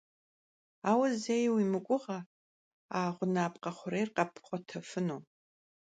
Aue zei vui mıguğe a ğunapkhe xhurêyr kheppxhuetefınu.